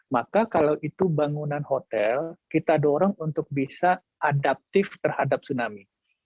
maka kalau itu bangunan hotel kita dorong untuk bisa adaptif terhadap tsunami